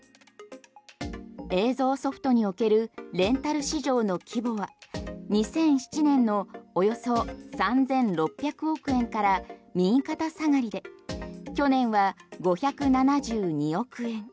映像ソフトにおけるレンタル市場の規模は２００７年のおよそ３６００億円から右肩下がりで去年は５７２億円。